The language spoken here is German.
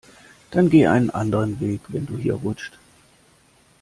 Dann geh einen anderen Weg, wenn du hier rutscht.